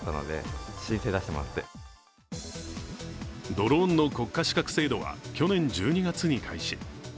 ドローンの国家資格制度は去年１２月に開始。